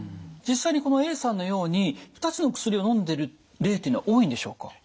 実際にこのＡさんのように２つの薬をのんでる例っていうのは多いんでしょうか？